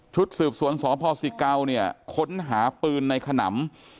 ชุดสืบสวนสองพ่อ๑๙เนี่ยค้นหาปืนในขนำ